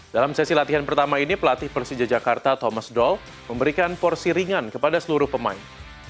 dalam sesi latihan pertama ini pelatih persija jakarta thomas doll memberikan porsi ringan kepada seluruh pemain